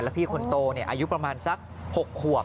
พี่คนโตอายุประมาณสัก๖ขวบ